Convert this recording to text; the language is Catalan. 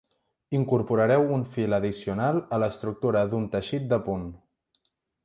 Incorporareu un fil addicional a l'estructura d'un teixit de punt.